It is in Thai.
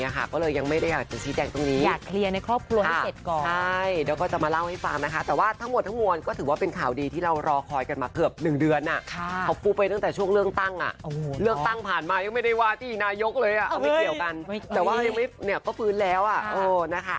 ยกเลยอ่ะเอาไปเกี่ยวกันแต่ว่ายังไม่เนี้ยก็ฟื้นแล้วอ่ะโอ้นะคะ